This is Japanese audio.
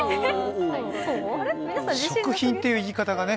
食品という言い方がね。